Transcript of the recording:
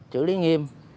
chữ lý nghiêm